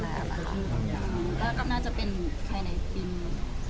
แล้วก็น่าจะเป็นใครในที